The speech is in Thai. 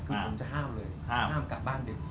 คือผมจะห้ามเลยห้ามกลับบ้านเลย